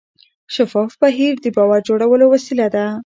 شفاف بهیر د باور جوړولو وسیله ده.